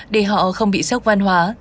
để họ không bị sốc văn hóa